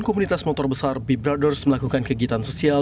komunitas motor besar brothers melakukan kegiatan sosial